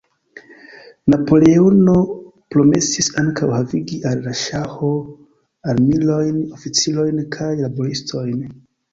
Napoleono promesis ankaŭ havigi al la Ŝaho armilojn, oficirojn kaj laboristojn.